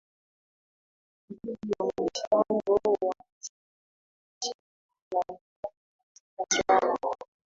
juu ya mchango wa mashirika mbalimbali katika suala